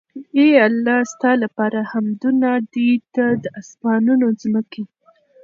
اې الله ! ستا لپاره حمدونه دي ته د آسمانونو، ځمکي